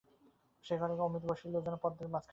সে ঘরে অমিত বসল যেন পদ্মের মাঝখানটাতে ভ্রমরের মতো।